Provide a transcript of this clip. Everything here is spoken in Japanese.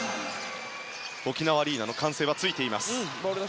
沖縄アリーナの歓声がついています。